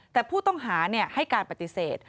แต่ผู้ต้องหาให้การปฏิเสธ